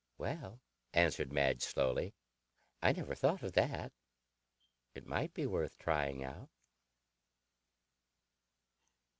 "Well," answered Madge slowly. "I never thought of that. It might be worth trying out."